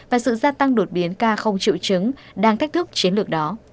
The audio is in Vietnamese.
và sự gia tăng đột biến ca không triệu chứng đang thách thức chiến lược đó